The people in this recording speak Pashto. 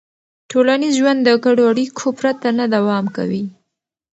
ټولنیز ژوند د ګډو اړیکو پرته نه دوام کوي.